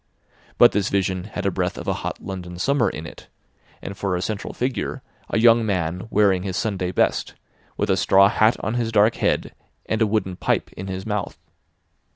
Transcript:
But this vision had a breath of a hot London summer in it, and for a central figure a young man wearing his Sunday best, with a straw hat on his dark head and a wooden pipe in his mouth.